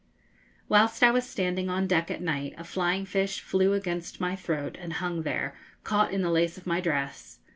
Whilst I was standing on deck at night a flying fish flew against my throat and hung there, caught in the lace of my dress.